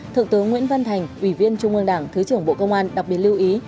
thượng tướng nguyễn văn thành ủy viên trung ương đảng thứ trưởng bộ công an đặc biệt lưu ý